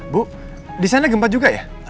bu di sana gempa juga ya